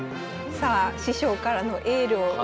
さあ師匠からのエールを受けて。